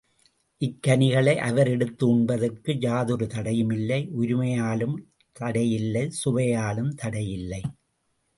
இக்கனிகளை அவர் எடுத்து உண்பதற்கு யாதொரு தடையுமில்லை உரிமையாலும் தடையில்லை சுவையாலும் தடையில்லை.